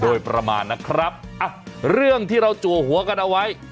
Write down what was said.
โดยประมาณนะครับอ่ะเรื่องที่เราจัวหัวกันเอาไว้